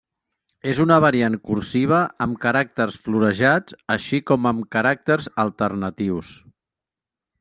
És una variant cursiva amb caràcters florejats així com amb caràcters alternatius.